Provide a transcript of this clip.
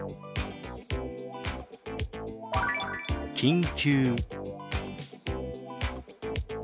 「緊急」。